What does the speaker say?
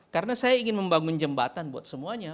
karena saya ingin membangun jembatan buat semuanya